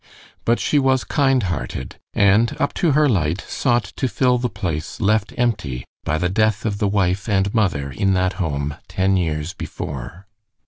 But she was kindhearted, and, up to her light, sought to fill the place left empty by the death of the wife and mother in that home, ten years before.